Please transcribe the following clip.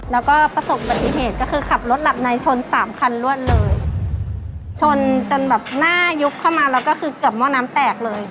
แล้วก็ประสบปฏิเหตุก็คือขับรถหลับในชนสามคันรวดเลยชนจนแบบหน้ายุบเข้ามาแล้วก็คือเกือบหม้อน้ำแตกเลย